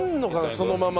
そのまま。